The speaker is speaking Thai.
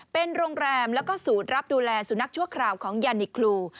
เป็นโรงแรมแล้วก็ศูนย์รับดูแลสุนัขชั่วคราวของยานิคลู